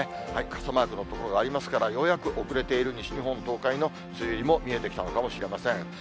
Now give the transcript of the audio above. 傘マークの所がありますから、ようやく遅れている西日本、東海の梅雨入りも見えてきたのかもしれません。